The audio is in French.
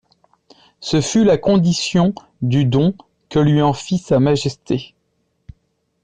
Ce fut la condition du don que lui en fit Sa Majesté.